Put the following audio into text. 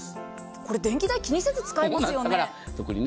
これ電気代、気にせず使えますよね。